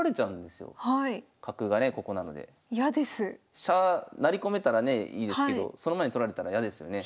飛車成り込めたらねいいですけどその前に取られたら嫌ですよね。